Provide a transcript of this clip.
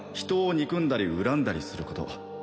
人を憎んだり恨んだりすること